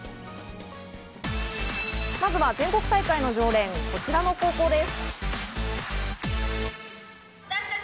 まずは全国大会の常連、こちらの高校です。